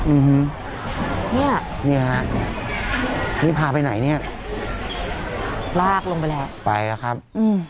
อื้อฮือเนี่ยเนี่ยค่ะนี่พาไปไหนเนี่ยลากลงไปแล้วไปแล้วครับอื้อ